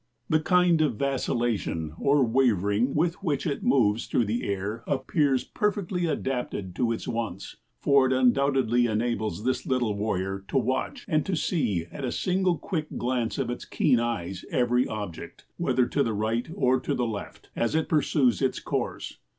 The kind of vacillation or wavering with which it moves through the air appears perfectly adapted to its wants; for it undoubtedly enables this little warrior to watch and to see at a single quick glance of its keen eyes every object, whether to the right or to the left, as it pursues its course.